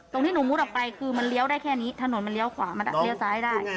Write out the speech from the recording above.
ที่หนูมุดออกไปคือมันเลี้ยวได้แค่นี้ถนนมันเลี้ยวขวามันเลี้ยวซ้ายได้